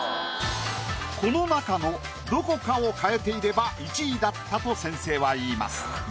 この中のどこかを変えていれば１位だったと先生は言います。